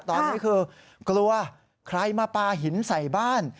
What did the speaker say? ตอนนี้คือกลัวใครมาปลาหินใส่บ้าน